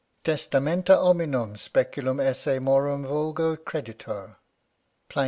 " Testamenta hominum speculum esse morum vulgo creditur. — Plin.